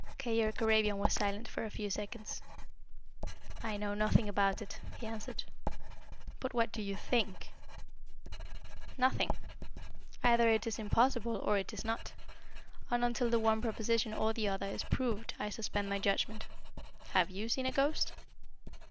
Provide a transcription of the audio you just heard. Keyork Arabian was silent for a few seconds. "I know nothing about it," he answered. "But what do you think?" "Nothing. Either it is possible, or it is not, and until the one proposition or the other is proved I suspend my judgment. Have you seen a ghost?"